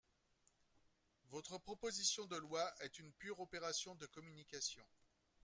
Votre proposition de loi est une pure opération de communication.